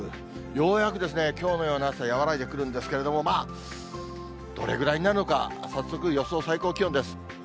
ようやくですね、きょうのような暑さ、和らいでくるんですけれども、まあ、どれぐらいになるのか、早速、予想最高気温です。